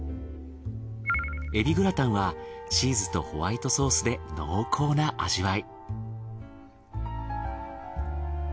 エビグラタンはチーズとホワイトソースで濃厚な味わい。